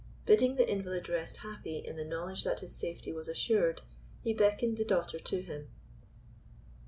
Bidding the invalid rest happy in the knowledge that his safety was assured, he beckoned the daughter to him.